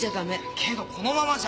けどこのままじゃ。